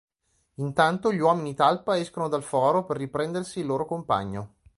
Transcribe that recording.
Intanto gli uomini talpa escono dal foro per riprendersi il loro compagno.